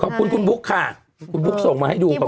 ขอบคุณคุณบุ๊คค่ะคุณบุ๊กส่งมาให้ดูก่อน